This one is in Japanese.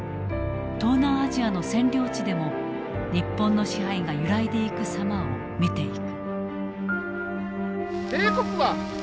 東南アジアの占領地でも日本の支配が揺らいでいく様を見ていく。